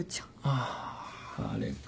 あああれか。